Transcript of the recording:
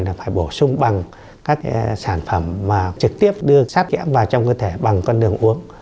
là phải bổ sung bằng các sản phẩm mà trực tiếp đưa sát kẽm vào trong cơ thể bằng con đường uống